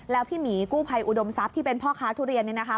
แล้วพี่หมีกู้ภัยอุดมทรัพย์ที่เป็นพ่อค้าทุเรียนเนี่ยนะคะ